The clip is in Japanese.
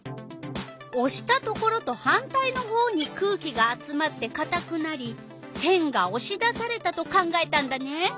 おしたところと反対のほうに空気が集まってかたくなりせんがおし出されたと考えたんだね。